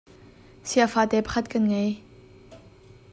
Siafa te pakhat kan ngei.